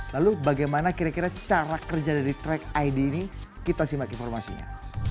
lalu bagaimana kira kira cara kerja dari track id ini kita simak informasinya